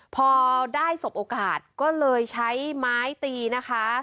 พอได้สบโอกาสก็เลยใช้ไม้ตีนะคะ